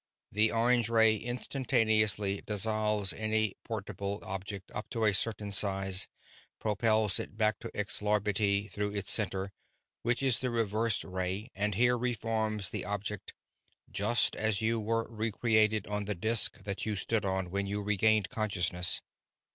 The orange ray instantaneously dissolves any portable object up to a certain size, propels it back to Xlarbti through its center which is the reverse ray, and here reforms the object, just as you were recreated on the disk that you stood on when you regained consciousness.